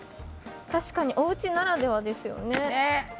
確かにおうちならではですよね。ね。